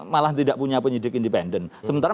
malah tidak punya penyidik independen sementara